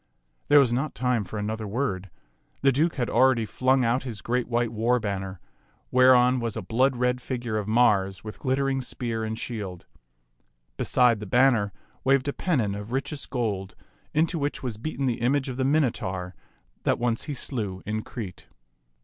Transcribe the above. There was not time for another word ; the Duke had already flung out his great white war banner, whereon was a blood red figure of Mars with glittering spear and shield. Beside the banner waved a pennon of richest gold, into which was beaten the image of the Minotaur that once he slew in Crete.